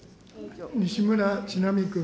西村智奈美君。